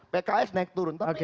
pks naik turun